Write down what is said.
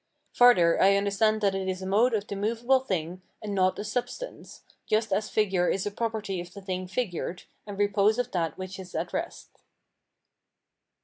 Farther, I understand that it is a mode of the movable thing, and not a substance, just as figure is a property of the thing figured, and repose of that which is at rest.